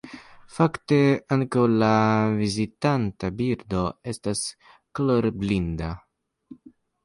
Fakte, ankaŭ la vizitanta birdo estas kolorblinda!